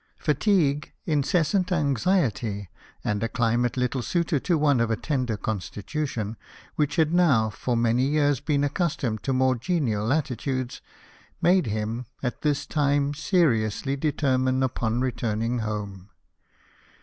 Fatigue, incessant anxiety, and a climate little suited to one of a tender constitution, which had now for many years been accustomed to more genial latitudes, made him, at this time, seriously determine THOUGHTS OF RETIREMENT. 2o3 upon returning home.